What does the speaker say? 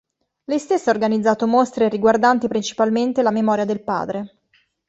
Lei stessa ha organizzato mostre riguardanti principalmente la memoria del padre.